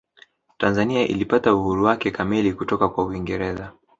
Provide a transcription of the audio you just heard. tanzania ilipata uhuru wake kamili kutoka kwa uingereza